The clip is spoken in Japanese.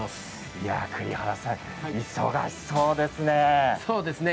栗原さん、忙しそうですね。